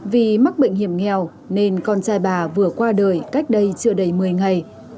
vì mắc bệnh hiểm nghèo nên con trai bà vừa qua đời cách đây chưa đầy một mươi ngày